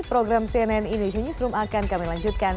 program cnn indonesia newsroom akan kami lanjutkan